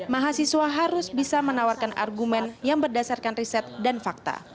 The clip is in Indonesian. mahasiswa harus bisa menawarkan argumen yang berdasarkan riset dan fakta